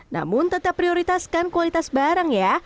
namun tetap prioritaskan kualitas barang ya